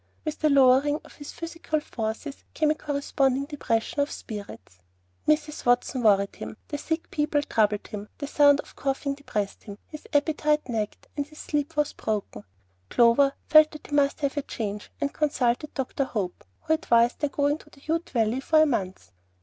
With the lowering of his physical forces came a corresponding depression of spirits. Mrs. Watson worried him, the sick people troubled him, the sound of coughing depressed him, his appetite nagged, and his sleep was broken. Clover felt that he must have a change, and consulted Dr. Hope, who advised their going to the Ute Valley for a month.